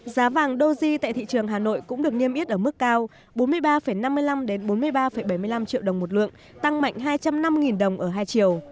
giá vàng doji tại thị trường hà nội cũng được niêm yết ở mức cao bốn mươi ba năm mươi năm bốn mươi ba bảy mươi năm triệu đồng một lượng tăng mạnh hai trăm linh năm đồng ở hai chiều